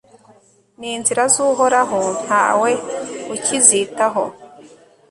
n'inzira z'uhoraho nta we ukizitaho